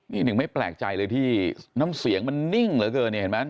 อีกหนึ่งไม่แปลกใจเลยที่น้ำเสียงมันนิ่งเหลือเกินเนี่ยเห็นไหม